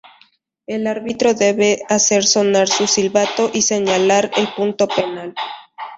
El árbitro debe hacer sonar su silbato y señalar al punto penal.